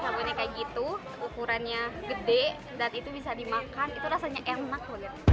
bisa buning kayak gitu ukurannya gede dan itu bisa dimakan itu rasanya enak banget